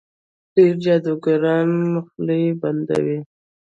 ډېر جادوګران خولې بندوي.